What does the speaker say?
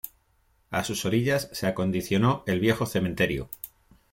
A sus orillas se acondicionó el viejo cementerio.